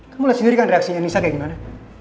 kamu lihat sendiri kan reaksinya nisa kayak gimana